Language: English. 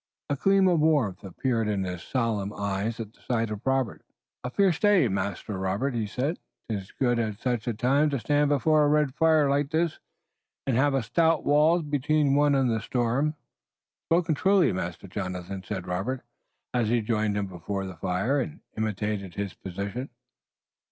A gleam of warmth appeared in his solemn eyes at the sight of Robert. "A fierce day, Master Robert," he said. "'Tis good at such a time to stand before a red fire like this, and have stout walls between one and the storm." "Spoken truly, Master Jonathan," said Robert, as he joined him before the fire, and imitated his position.